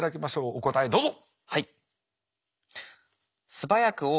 お答えどうぞ！